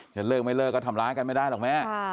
จะเลิกไม่เลิกก็ทำร้ายกันไม่ได้หรอกแม่